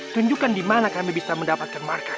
tunjukkan dimana kami bisa mendapatkan markas